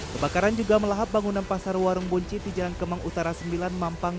kebakaran juga melahap bangunan pasar warung bunci di jalan kemang utara sembilan mampang